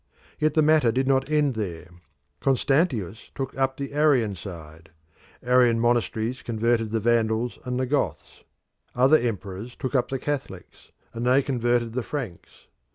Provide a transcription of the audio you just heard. Yet the matter did not end there. Constantius took up the Arian side. Arian missionaries converted the Vandals and the Goths. Other emperors took up the Catholics, and they converted the Franks.